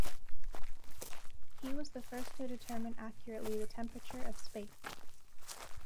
He was the first to determine accurately the temperature of space.